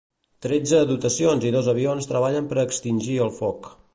Tretze dotacions i dos avions treballen per extingir el foc.